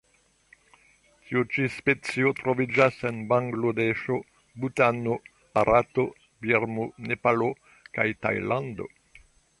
Tiu ĉi specio troviĝas en Bangladeŝo, Butano, Barato, Birmo, Nepalo kaj Tajlando.